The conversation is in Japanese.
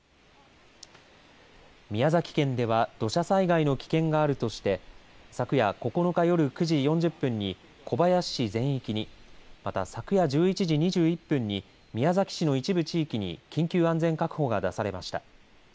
宮崎県では土砂災害の危険があるとして昨夜９日夜９時４０分に小林市全域にまた、昨夜１１時２１分に宮崎市の一部地域に緊急安全確保が出されました。